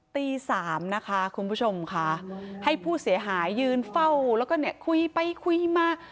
ตีสามนะคะคุณผู้ชมค่ะให้ผู้เสียหายยืนเฝ้าแล้วก็เนี่ยคุยไปคุยมา